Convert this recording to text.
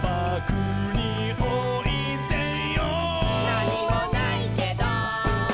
「なにもないけど」